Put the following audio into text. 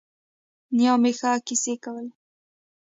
نیا مې ښه کیسې کولې.